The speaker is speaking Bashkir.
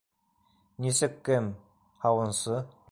Нисек кем? һауынсы...